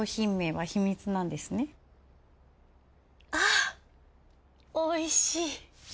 あおいしい。